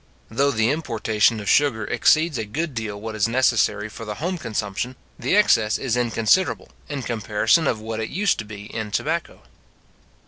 Though the importation of sugar exceeds a good deal what is necessary for the home consumption, the excess is inconsiderable, in comparison of what it used to be in tobacco.